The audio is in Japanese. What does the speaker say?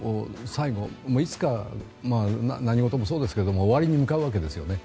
いつか何事もそうですけど終わりに向かうわけですよね。